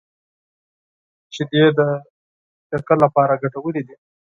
شیدې د شکر لپاره ګټورې دي